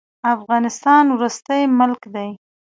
افغانستان وروستی ملک دی.